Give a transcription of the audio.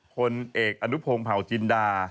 คนเอกอนุโพงเผาจินดา